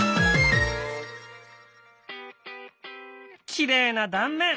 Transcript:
きれいな断面。